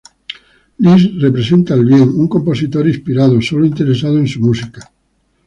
Liszt representa el bien: un compositor inspirado, solo interesado en su música.